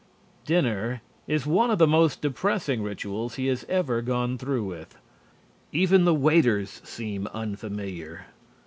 Dinner is one of the most depressing rituals he has ever gone through with. Even the waiters seem unfamiliar.